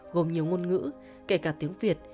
gồm nhiều ngôn ngữ kể cả tiếng việt